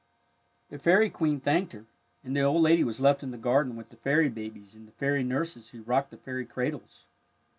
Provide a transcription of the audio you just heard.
The Fairy Queen thanked her, and the old lady was left in the garden with the fairy babies and the fairy nurses who rocked the fairy cradles.